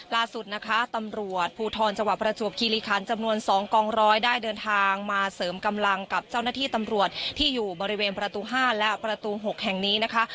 ล่าสุดนะคะตำรวจภูทรจังหวัดประจวบคิริคันจำนวน๒กองร้อยได้เดินทางมาเสริมกำลังกับเจ้าหน้าที่ตำรวจที่อยู่บริเวณประตู๕และประตู๖แห่งนี้นะคะ